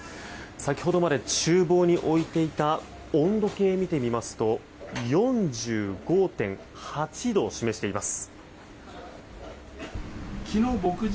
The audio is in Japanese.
先ほどまで厨房に置いていた温度計を見てみますと４５．８度を示しています。